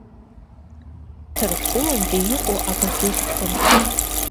Ҭырқәтәылангьы иҟоуп агазеҭқәа!